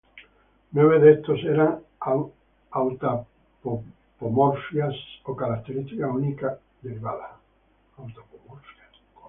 Nueve de estos eran autapomorfias, o características únicas derivadas.